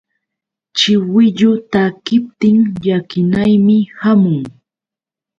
Chiwillu takiptin llakinaymi hamun.